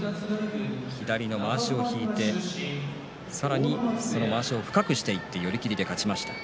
左のまわしを引いてさらにそのまわしを深くしていって寄り切りで勝ちました。